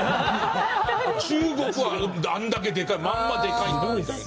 中国はあれだけデカいまんまデカいんだみたいな。